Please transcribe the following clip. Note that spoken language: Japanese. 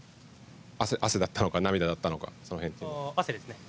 汗だったのか涙だったのかその辺について。